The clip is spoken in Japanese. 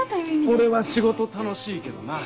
俺は仕事楽しいけどな。